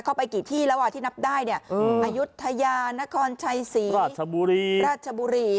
เข้าไปกี่ที่แล้วที่นับได้อายุทยานครชัยศรีราชบุรี